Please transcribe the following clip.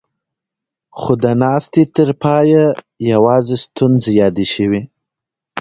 خو د ناستې تر پايه يواځې ستونزې يادې شوې.